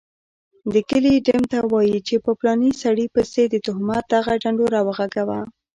دکلي ډم ته وايي چي په پلاني سړي پسي دتهمت دغه ډنډوره وغږوه